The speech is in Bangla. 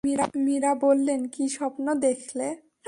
মীরা বললেন, কী স্বপ্ন দেখলে?